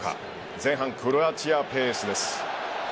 前半クロアチアペースです。